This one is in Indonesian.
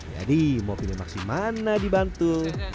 jadi mau pilih maksi mana dibantu